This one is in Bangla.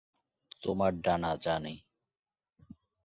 তোমার ডানা, জনি।